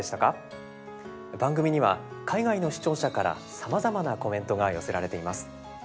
番組には海外の視聴者からさまざまなコメントが寄せられています。